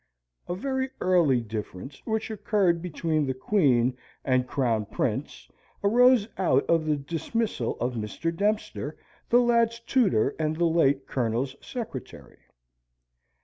A very early difference which occurred between the Queen and Crown Prince arose out of the dismissal of Mr. Dempster, the lad's tutor and the late Colonel's secretary.